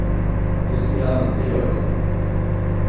Du skulle aldrig göra det.